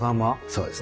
そうです。